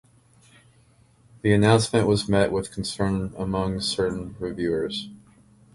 The announcement was met with concern among certain reviewers.